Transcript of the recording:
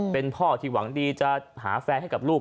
เป็นพ่อที่หวังดีจะหาแฟนให้กับลูก